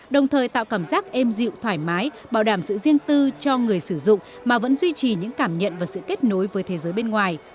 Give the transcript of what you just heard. đồng thời tạo cảm giác êm dịu thoải mái bảo đảm sự riêng tư cho người sử dụng mà vẫn duy trì những cảm nhận và sự kết nối với thế giới bên ngoài